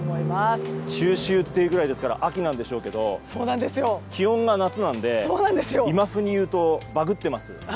中秋というくらいですから秋なんでしょうけど気温は夏なので今風にいうと、バグってます。